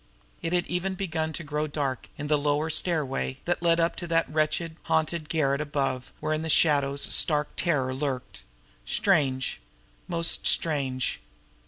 It had even begun to grow dark here on the lower stairway that led up to that wretched, haunted garret above where in the shadows stark terror lurked. Strange! Most strange!